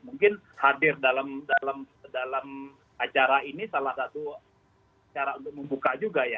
mungkin hadir dalam acara ini salah satu cara untuk membuka juga ya